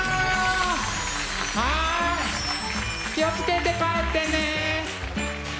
気を付けて帰ってね！